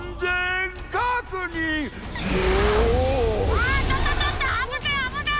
あちょっとちょっとあぶないあぶない！